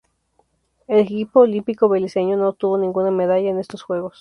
El equipo olímpico beliceño no obtuvo ninguna medalla en estos Juegos.